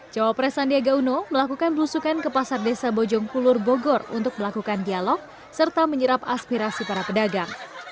jawab pres sandiaga uno melakukan belusukan ke pasar desa bojongkulur bogor untuk melakukan dialog serta menyerap aspirasi para pedagang